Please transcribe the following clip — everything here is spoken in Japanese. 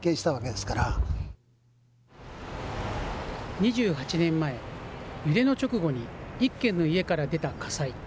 ２８年前、揺れの直後に一軒の家から出た火災。